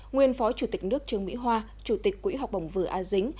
nguyên phó chủ tịch nước trương mỹ hoa chủ tịch quỹ học bổng vừa a dính